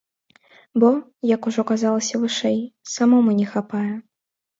Бо, як ужо казалася вышэй, самому не хапае.